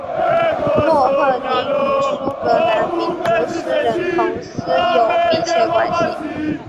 莫赫林与苏格兰民族诗人彭斯有密切关系。